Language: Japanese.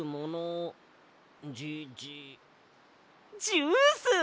ジュース！